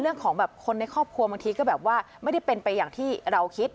เรื่องของแบบคนในครอบครัวบางทีก็แบบว่าไม่ได้เป็นไปอย่างที่เราคิด